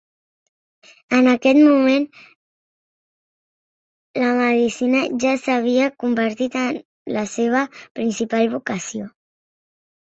En aquest moment, la medicina ja s'havia convertit en la seva principal vocació.